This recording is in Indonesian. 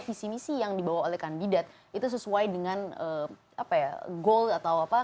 visi misi yang dibawa oleh kandidat itu sesuai dengan apa ya goal atau apa